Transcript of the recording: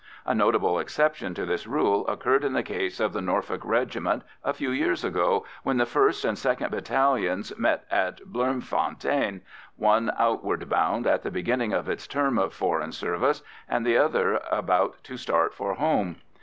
A notable exception to this rule occurred in the case of the Norfolk Regiment a few years ago, when the first and second battalions met at Bloemfontein, one outward bound at the beginning of its term of foreign service, and the other about to start for home.